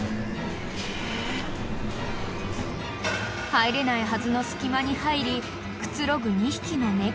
［入れないはずの隙間に入りくつろぐ２匹の猫たち］